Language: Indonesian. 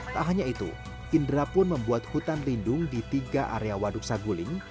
tak hanya itu indra pun membuat hutan lindung di tiga area waduk saguling